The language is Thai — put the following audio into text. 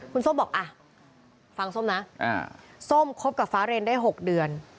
คุณส้มบอกอ่ะฟังส้มนะส้มคบกับฟ้าเรนได้๖เดือน